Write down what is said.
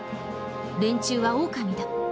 連中はオオカミだ。